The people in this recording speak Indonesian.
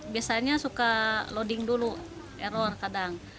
biasanya suka loading dulu error kadang